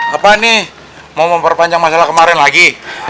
apa nih mau memperpanjang masalah kemarin lagi